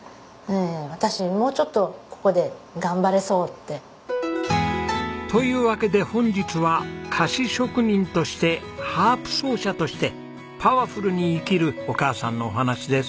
私もうちょっとここで頑張れそうって。というわけで本日は菓子職人としてハープ奏者としてパワフルに生きるお母さんのお話です。